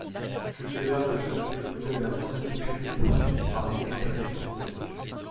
Fulbert n'a jamais fait l'objet d'un procès de canonisation par l'Eglise catholique romaine.